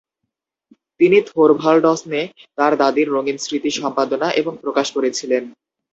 তিনি থোরভালডসনে তার দাদীর রঙিন স্মৃতি সম্পাদনা এবং প্রকাশ করেছিলেন।